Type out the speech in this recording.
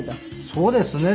そうですね。